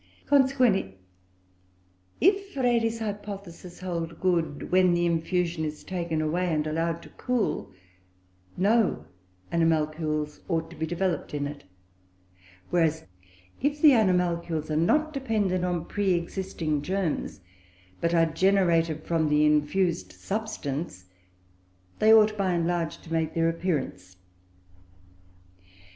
Consequently, if Redi's hypothesis hold good, when the infusion is taken away and allowed to cool, no animalcules ought to be developed in it; whereas, if the animalcules are not dependent on pre existing germs, but are generated from the infused substance, they ought, by and by, to make their appearance.